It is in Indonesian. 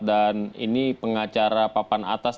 dan ini pengacara papan atas